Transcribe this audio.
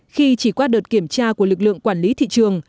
khi chỉ qua đợt kiểm tra của lực lượng quản lý thị trường